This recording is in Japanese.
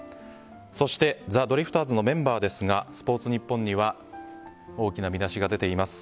そして、ザ・ドリフターズのメンバーですがスポーツニッポンには大きな見出しが出ています。